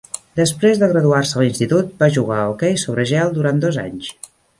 Després de graduar-se a l'institut, va jugar a hoquei sobre gel durant dos anys.